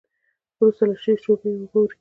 وروسته له څو شېبو اوبه ورکیږي.